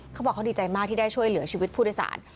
เขาบอกเขาดีใจมากที่ได้ช่วยเหลือชีวิตผู้โดยสาร